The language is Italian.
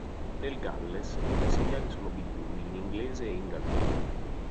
Nel Galles, molti segnali sono bilingui in inglese e in gallese.